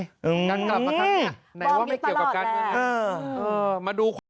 งั้นกลับมาครั้งนี้ไหนว่าไม่เกี่ยวกับการเมืองไง